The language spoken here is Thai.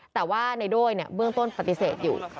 แต่ว่าในโดยเบื้องต้นปฏิเสธอยู่